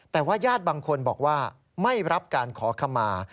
แต่ว่าญาติบางคนบอกว่าไม่รับการขอขมา